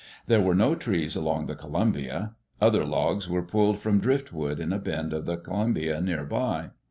There were no trees along the Columbia. Other logs were pulled from driftwood in a bend of the Columbia near by.